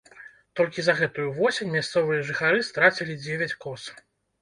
Толькі за гэтую восень мясцовыя жыхары страцілі дзевяць коз.